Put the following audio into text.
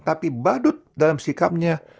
tapi badut dalam sikapnya